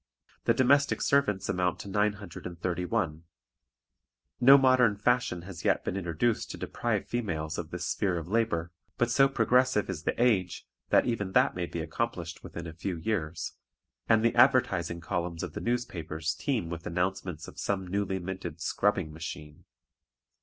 The domestic servants amount to 931. No modern fashion has yet been introduced to deprive females of this sphere of labor, but so progressive is the age that even that may be accomplished within a few years, and the advertising columns of the newspapers teem with announcements of some newly invented "scrubbing machine."